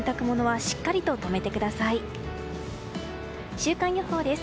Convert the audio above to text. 週間予報です。